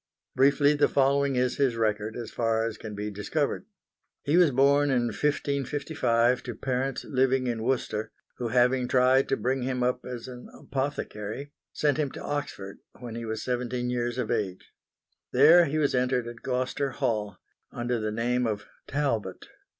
Briefly the following is his record as far as can be discovered. He was born in 1555 to parents living in Worcester, who having tried to bring him up as an apothecary, sent him to Oxford when he was seventeen years of age. There he was entered at Gloucester Hall, under the name of Talbot.